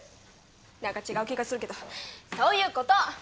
なんか違う気がするけどそういうこと！